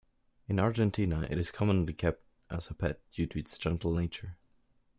In Argentina it is commonly kept as a pet due to its gentle nature.